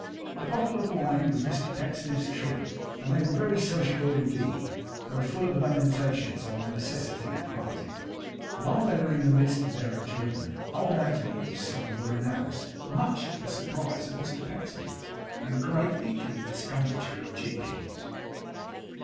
The bottle of wine was Mr Pecksniff's treat, and they were very sociable indeed; though full of lamentations on the necessity of parting. While they were in the midst of their enjoyment, old Anthony and his son were announced; much to the surprise of Mr Pecksniff, and greatly to the discomfiture of Jinkins.